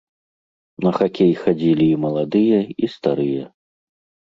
На хакей хадзілі і маладыя, і старыя.